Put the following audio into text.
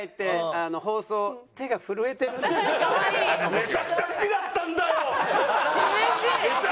めちゃくちゃタイプだったんだよ！